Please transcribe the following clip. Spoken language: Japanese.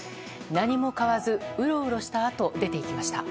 何も買わず、うろうろしたあと出て行きました。